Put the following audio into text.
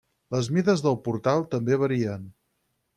Les mides del portal també varien.